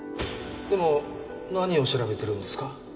でも何を調べてるんですか？